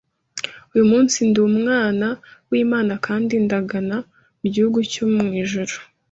uyu munsi ndi umwana w’Imana kandi ndagana mu gihugu cyo mu ijuru